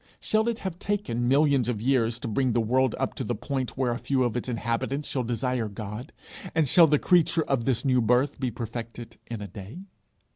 Shall it have taken millions of years to bring the world up to the point where a few of its inhabitants shall desire God, and shall the creature of this new birth be perfected in a day?